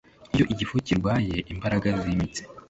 iyo igifu kirwaye imbaraga zimitsi